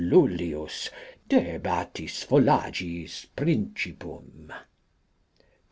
Lullius de Batisfolagiis Principum.